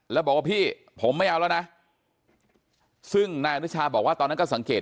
แล้วบอกว่าพี่ผมไม่เอาแล้วนะซึ่งนายอนุชาบอกว่าตอนนั้นก็สังเกต